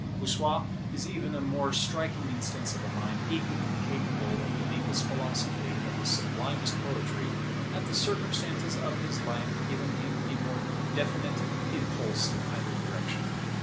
Bossuet is even a more striking instance of a mind equally capable of the deepest philosophy and of the sublimest poetry, had the circumstances of his life given him a more definite impulse in either direction.